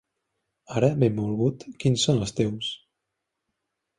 Ara, benvolgut, quins són els teus?